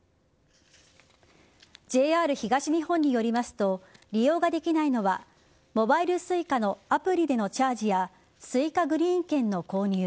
ＪＲ東日本によりますと利用ができないのはモバイルＳｕｉｃａのアプリでのチャージやＳｕｉｃａグリーン券の購入